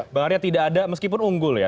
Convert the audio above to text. bang arya tidak ada meskipun unggul ya